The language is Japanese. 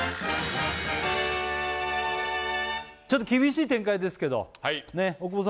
ちょっと厳しい展開ですけどはい